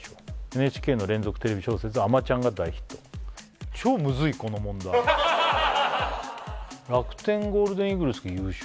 ＮＨＫの連続テレビ小説「あまちゃん」が大ヒット楽天ゴールデンイーグルスが優勝